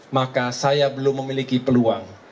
maka saya belum memiliki peluang